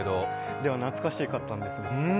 では懐かしかったんですね。